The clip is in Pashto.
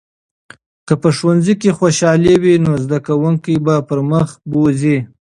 که په ښوونځي کې خوشالي وي، نو زده کوونکي به پرمخ بوځي.